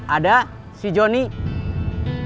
ada si jonny